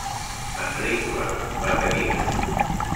Enric Pla: bateria.